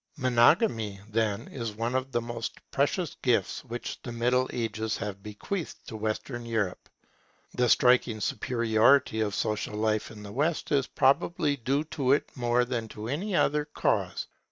Monogamy, then, is one of the most precious gifts which the Middle Ages have bequeathed to Western Europe. The striking superiority of social life in the West is probably due to it more than to any other cause.